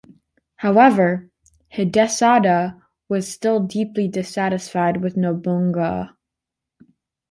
However, Hidesada was still deeply dissatisfied with Nobunaga.